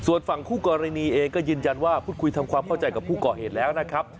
ส่วนฝั่งคู่กรณีเองก็ยืนยันว่าพูดคุยทำความเข้าใจกับผู้ก่อเหตุแล้วนะครับ